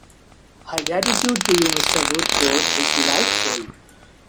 Her gratitude to you, Mr. Woodcourt, is delightful.